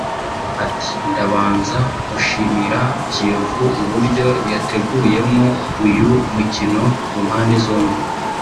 Ati “Ndabanza gushimira Kiyovu uburyo yateguyemo uyu mukino ku mpande zombi